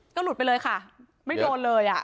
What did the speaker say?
ก็หลุดไปเลยค่ะไม่โดนเลยอ่ะ